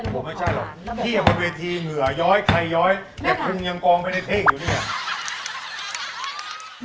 พี่เขาไม่ใช่หรอกพี่แห่งบนเวทีเหงือย้อยใครย้อยแต่ขนมยังกงไปในเท่อยู่เนี่ย